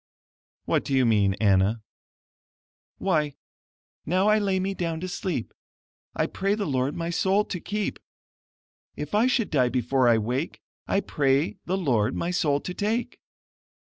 "What do you mean, Anna?" "Why, 'Now I lay me down to sleep, I pray the Lord my soul to keep! If I should die before I wake, I pray the Lord my soul to take.'